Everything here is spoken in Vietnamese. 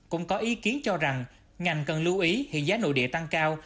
cũng có ý kiến cho rằng ngành cần lưu ý hiện giá nội địa tăng cao